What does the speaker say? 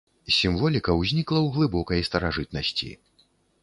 Сімволіка ўзнікла ў глыбокай старажытнасці.